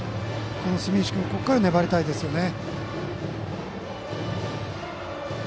住石君もここから粘りたいですね。